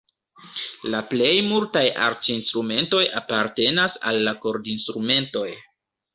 La plej multaj arĉinstrumentoj apartenas al la kordinstrumentoj.